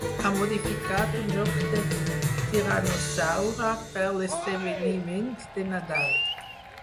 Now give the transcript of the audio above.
Ha modificat un joc de tiranosaure per l'esdeveniment de Nadal.